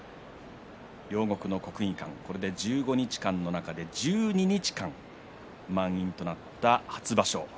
両国の国技館１５日間のうちで１２日間満員となった初場所。